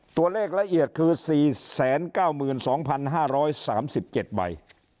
ตัวเลขละเอียดคือ๔๙๒๕๓๗ใบ